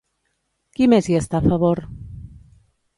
Qui més hi està a favor?